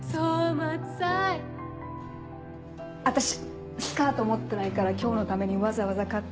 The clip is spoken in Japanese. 私スカート持ってないから今日のためにわざわざ買ったし。